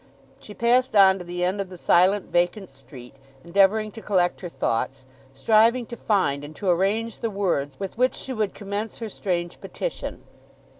She passed on to the end of the silent, vacant street, endeavouring to collect her thoughts, striving to find and to arrange the words with which she would commence her strange petition.